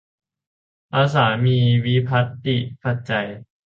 ภาษามีวิภัตติปัจจัย